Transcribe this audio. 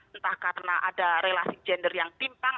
entah karena ada relasi gender yang timpang